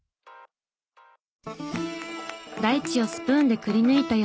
大地をスプーンでくりぬいたような土地。